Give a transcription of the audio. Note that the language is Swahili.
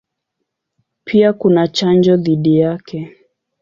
Pia kuna chanjo dhidi yake.